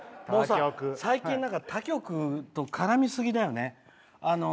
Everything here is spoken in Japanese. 最近、他局と絡みすぎだよね。